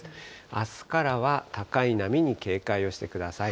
あすからは高い波に警戒をしてください。